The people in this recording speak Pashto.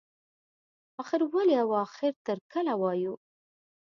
اخر ولې او اخر تر کله وایو.